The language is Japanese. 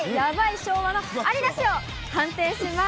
昭和のありなしを判定します。